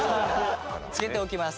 漬けておきます。